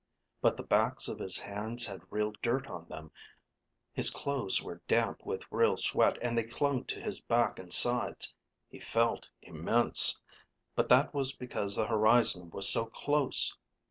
But the backs of his hands had real dirt on them, his clothes were damp with real sweat, and they clung to his back and sides. He felt immense. But that was because the horizon was so close.